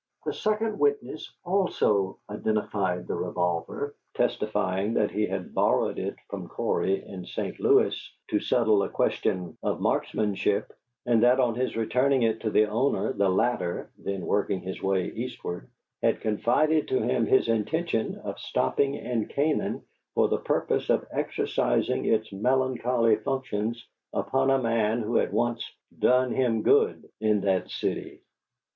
The second witness also identified the revolver, testifying that he had borrowed it from Cory in St. Louis to settle a question of marksmanship, and that on his returning it to the owner, the latter, then working his way eastward, had confided to him his intention of stopping in Canaan for the purpose of exercising its melancholy functions upon a man who had once "done him good" in that city.